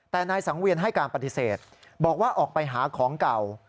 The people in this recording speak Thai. แต่นายสังเวียนให้การปฏิเสธบอกว่าออกไปหาของเก่า